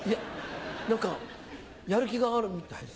何かやる気があるみたいです。